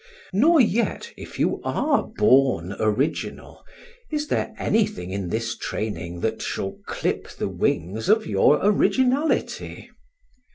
Nor yet, if you are born original, is there anything in this training that shall clip the wings of your originality.